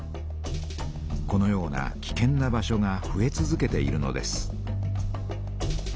このようなきけんな場所がふえ続けているのです。